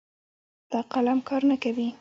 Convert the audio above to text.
دا قلم کار نه کوي